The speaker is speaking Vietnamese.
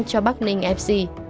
cho bắc ninh fc